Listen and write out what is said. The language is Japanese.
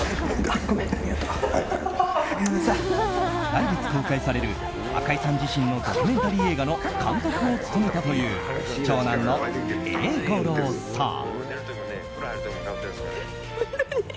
来月公開される赤井さん自身のドキュメンタリー映画の監督を務めたという長男の英五郎さん。